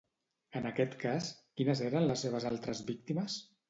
En aquest cas, quines eren les seves altres víctimes?